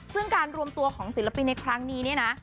ซึ่งการรวมตัวของศิลปินในครั้งนี้เนี่ยนะ